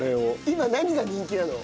今何が人気なの？